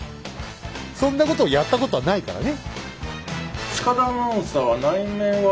そんなことやったことはないからね？